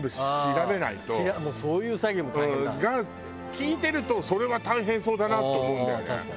聞いてるとそれは大変そうだなって思うんだよね。